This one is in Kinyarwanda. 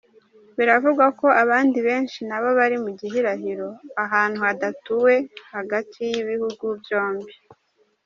Biravugwa ko abandi benshi nabo bari mu gihirahiro ahantu hadatuwe hagati y'ibihugu byombi.